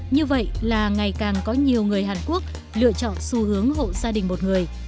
như vậy là ngày càng có nhiều người hàn quốc lựa chọn xu hướng hộ gia đình một người